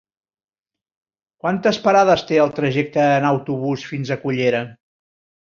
Quantes parades té el trajecte en autobús fins a Cullera?